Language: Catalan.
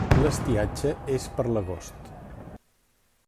L'estiatge és per l'agost.